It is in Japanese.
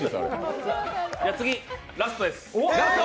次、ラストです。